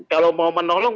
kalau mau menolong